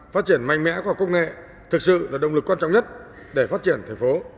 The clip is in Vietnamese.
phát triển mạnh mẽ khoa học công nghệ thực sự là động lực quan trọng nhất để phát triển thành phố